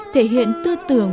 thể hiện tư tưởng